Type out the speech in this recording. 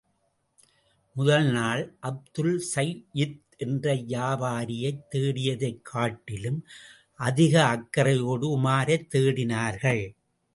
முதல்நாள் அப்துல்சையித் என்ற வியாபாரியைத் தேடியதைக் காட்டிலும் அதிக அக்கறையோடு உமாரைத் தேடினார்கள்.